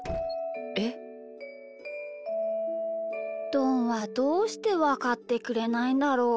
どんはどうしてわかってくれないんだろう？